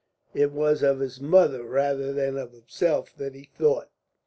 It was of his mother rather than of himself that he thought.